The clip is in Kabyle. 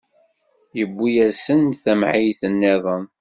Iwwi-asen-d tamɛayt-nniḍen.